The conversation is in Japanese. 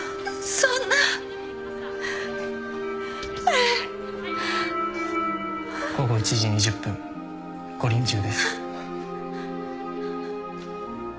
えっ午後１時２０分ご臨終です